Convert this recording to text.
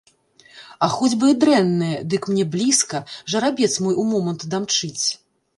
А хоць бы і дрэнная, дык мне блізка, жарабец мой умомант дамчыць.